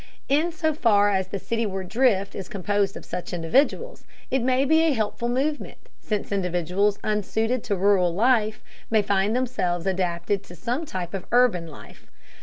In so far as the cityward drift is composed of such individuals, it may be a helpful movement, since individuals unsuited to rural life may find themselves adapted to some type of urban life.